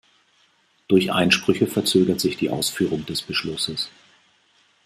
Durch Einsprüche verzögert sich die Ausführung des Beschlusses.